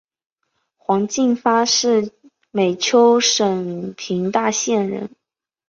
黄晋发是美湫省平大县人。